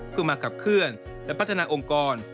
เพื่อมาขับเคลื่อนและพัฒนาองค์กร